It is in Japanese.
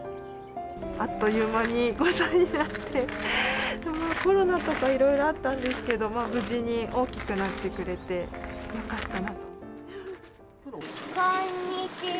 あっという間に５歳になって、コロナとかいろいろあったんですけど、無事に大きくなってくれて、こんにちは。